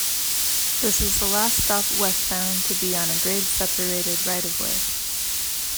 This is the last stop westbound to be on a grade-separated right-of-way.